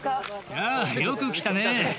やあ、よく来たね。